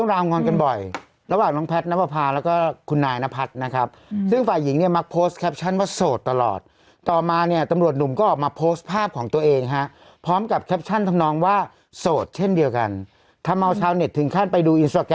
อันนี้พอพระเจ็บเขาก็เดินไปเลยเหมือนต่างคนต่างเดินอะไรอย่างนี้